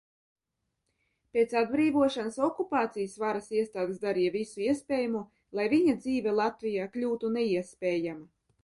Pēc atbrīvošanas okupācijas varas iestādes darīja visu iespējamo, lai viņa dzīve Latvijā kļūtu neiespējama.